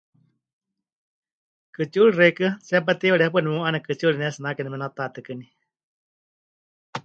Kɨtsiuri xeikɨ́a, tsepá teiwari hepaɨ nemeu'ane kɨtsiuri pɨnetsinake nemenetatɨkɨní.